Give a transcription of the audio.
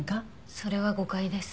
それは誤解です。